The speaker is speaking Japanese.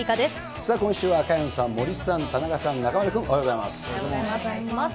さあ、今週は萱野さん、森さん、田中さん、中丸君、おはようございます。